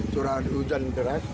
curah hujan deras